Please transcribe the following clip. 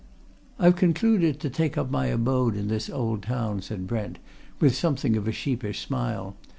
"I've concluded to take up my abode in this old town," said Brent, with something of a sheepish smile.